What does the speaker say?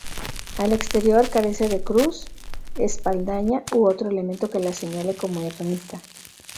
Al exterior, carece de cruz, espadaña u otro elemento que la señale como ermita.